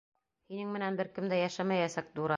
Һинең менән бер кем дә йәшәмәйәсәк, дура!